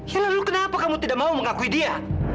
ya lalu kenapa kamu tidak mau mengakui dia